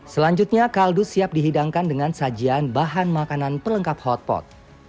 selanjutnya kaldu siap dihidangkan dengan sajian bahan makanan pelengkap hotpot